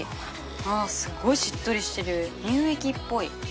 あすごいしっとりしてる乳液っぽい。